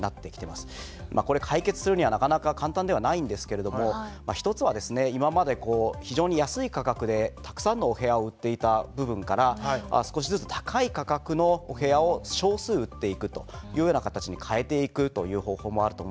まあこれ解決するにはなかなか簡単ではないんですけれども一つはですね今まで非常に安い価格でたくさんのお部屋を売っていた部分から少しずつ高い価格のお部屋を少数売っていくというような形に変えていくという方法もあると思いますし。